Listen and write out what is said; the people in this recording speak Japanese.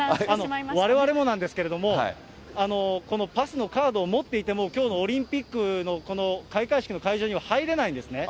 われわれもなんですけれども、このパスのカードを持っていても、きょうのオリンピックのこの開会式の会場には入れないんですね。